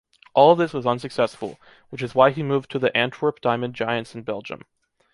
All of this was unsuccessful, which is why he moved to the Antwerp Diamond Giants in Belgium.